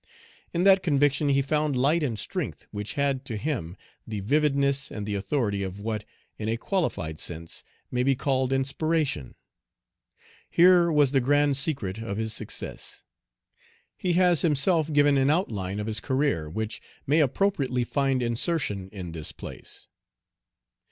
In that conviction he found light and strength which had, to him, the vividness and the authority of what, in a qualified sense, may be called inspiration. Here was the grand secret of his success. He has himself given an outline of his career, which may appropriately find insertion in this place.